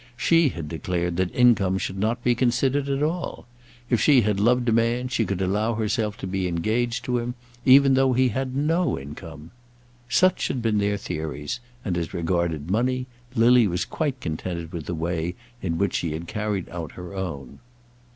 She had declared that income should not be considered at all. If she had loved a man, she could allow herself to be engaged to him, even though he had no income. Such had been their theories; and as regarded money, Lily was quite contented with the way in which she had carried out her own.